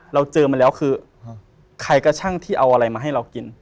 เราเจอมาแล้วคือใครก็ช่างที่เอาอะไรมาให้เรากิน